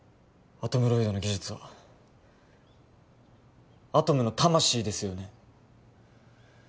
アトムロイドの技術はアトムの魂ですよね